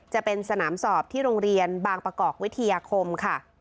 จะเป็นสนามสอบที่โรงเรียนบางประกอบวิทยาคมค่ะ